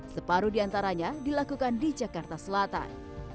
separuh di antaranya dilakukan di jakarta selatan